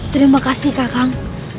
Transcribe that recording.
terima kasih kakang